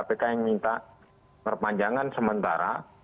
kpk yang minta perpanjangan sementara